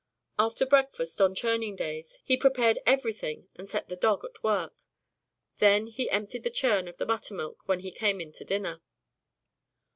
After breakfast on churning days, he prepared everything and set the dog at work. Then he emptied the churn of the buttermilk when he came in to dinner.